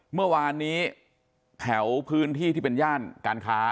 เมื่อวานนี้แถวพื้นที่ที่เป็นย่านการค้า